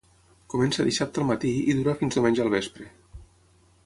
Comença dissabte al matí i dura fins diumenge al vespre.